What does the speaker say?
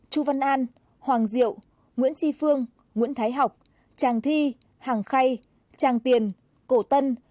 chu văn an hoàng diệu nguyễn tri phương nguyễn thái học tràng thi hàng khay tràng tiền cổ tân